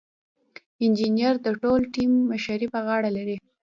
انجینر د ټول ټیم مشري په غاړه لري.